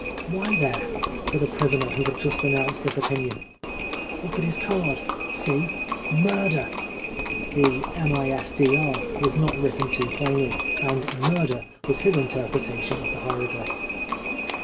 " Why there," said a prisoner, who had just enounced this opinion, '' look at his card ; see— murder !" The " misdr." was not written too plainly, and " murder " was his interpreta* tion of the hieroglyph.